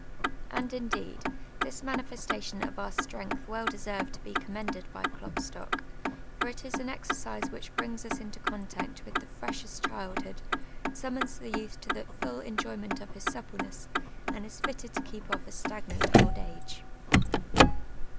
And, indeed, this manifestation of our strength well deser\ cd to be commended by Klopstock, for it is an exercise which brings us into contact with the freshest childlu)od, summons the youth to the fidl enjo\qneut of his suppleness, and is fitted to keep off a stagnant old age.